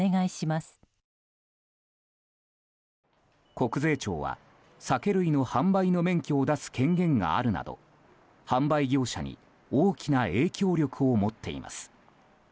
国税庁は、酒類の販売の免許を出す権限があるなど販売業者に大きな影響力を持っています。